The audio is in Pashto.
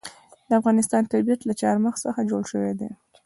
د افغانستان طبیعت له چار مغز څخه جوړ شوی دی.